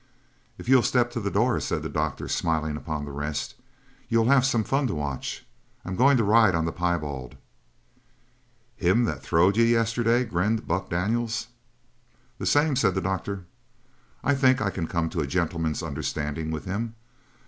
"If you'll step to the door," said the doctor, smiling upon the rest, "you'll have some fun to watch. I'm going to ride on the piebald." "Him that throwed you yesterday?" grinned Buck Daniels. "The same," said the doctor. "I think I can come to a gentleman's understanding with him.